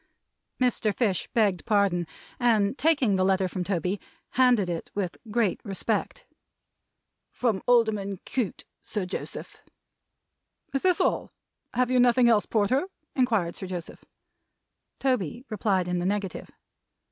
Mr. Fish begged pardon, and taking the letter from Toby, handed it, with great respect. "From Alderman Cute, Sir Joseph." "Is this all? Have you nothing else, Porter?" inquired Sir Joseph. Toby replied in the negative.